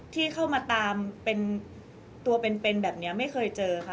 ที่เข้ามาตามเป็นตัวเป็นแบบนี้ไม่เคยเจอค่ะ